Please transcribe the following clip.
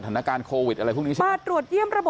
นี่ค่ะ